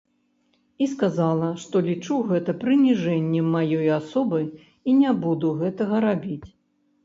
І сказала, што лічу гэта прыніжэннем маёй асобы і не буду гэтага рабіць.